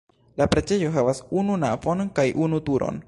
La preĝejo havas unu navon kaj unu turon.